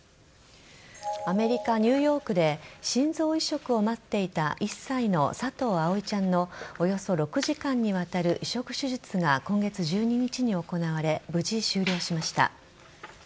アメリカ・ニューヨークで心臓移植を待っていた１歳の佐藤葵ちゃんのおよそ６時間にわたる移植手術が今月１２日に行われ無事終了しました。